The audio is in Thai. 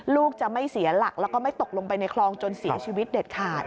ลูกจะไม่เสียหลักแล้วก็ไม่ตกลงไปในคลองจนเสียชีวิตเด็ดขาด